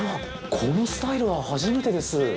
このスタイルは初めてです。